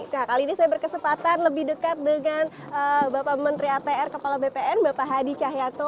nah kali ini saya berkesempatan lebih dekat dengan bapak menteri atr kepala bpn bapak hadi cahyato